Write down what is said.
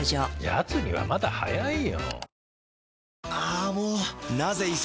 やつにはまだ早いよ。